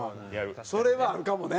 それはあるかもね。